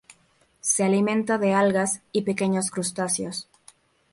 Se alimenta de algas y pequeños crustáceos.